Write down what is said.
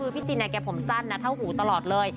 พี่จินแกผมสั้นนะเท่าหูตลอดเลย